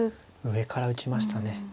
上から打ちましたね。